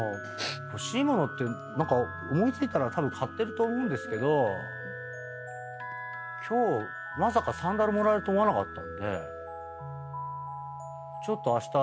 欲しい物って何か思い付いたら買ってると思うんですけど今日まさかサンダルもらえると思わなかったんで。